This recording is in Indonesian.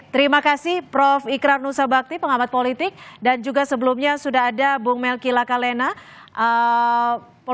terima kasih prof ikrar nusa bakti pengamat politik dan juga sebelumnya sudah ada bung melky laka lena politisi dari partai golkar yang sudah berjalan